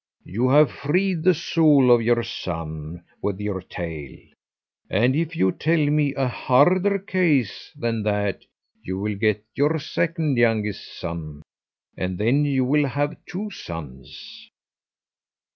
You have freed the soul of your son with your tale; and if you tell me a harder case than that you will get your second youngest son, and then you will have two sons."